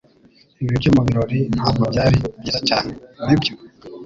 Ibiryo mu birori ntabwo byari byiza cyane, nibyo?